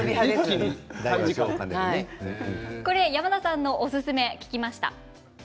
山田さんのおすすめを聞きました。